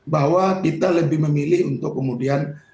bahwa kita lebih memilih untuk kemudian